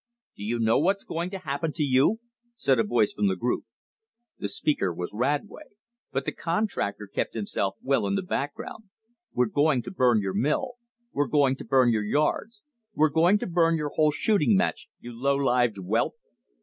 "Do you know what's going to happen to you?" said a voice from the group. The speaker was Radway, but the contractor kept himself well in the background. "We're going to burn your mill; we're going to burn your yards; we're going to burn your whole shooting match, you low lived whelp!"